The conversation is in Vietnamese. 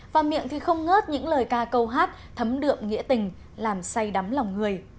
và miệng thì không ngớt những lời ca câu hát thấm đượm nghĩa tình làm say đắm lòng người